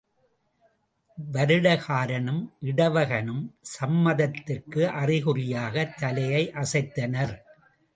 வருடகாரனும் இடவகனும் சம்மதத்திற்கு அறிகுறியாகத் தலையசைத்தனர்.